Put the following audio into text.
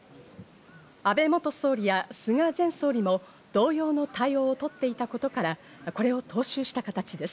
安倍元総理や菅前総理も同様の対応をとっていたことから、これを踏襲した形です。